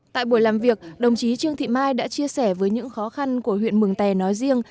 tại buổi làm việc đồng chí trương thị mai đã chia sẻ với những khó khăn của huyện mường tè nói riêng